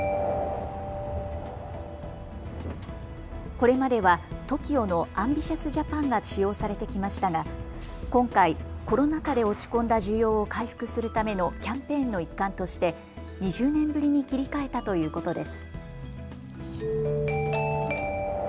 これまではＴＯＫＩＯのＡＭＢＩＴＩＯＵＳＪＡＰＡＮ！が使用されてきましたが今回、コロナ禍で落ち込んだ需要を回復するためのキャンペーンの一環として２０年ぶりに切り替えたということです。